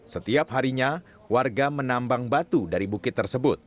setiap harinya warga menambang batu dari bukit tersebut